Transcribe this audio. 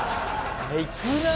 いくなあ！